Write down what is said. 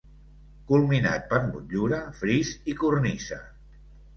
Culminat per motllura, fris, i cornisa.